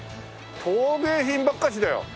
陶芸品ばっかしだよ。